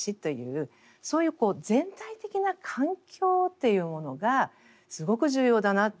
そういう全体的な環境というものがすごく重要だなと。